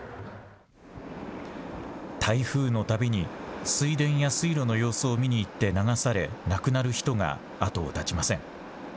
台風のたびに水田や水路の様子を見に行って流され亡くなる人が後を絶ちません。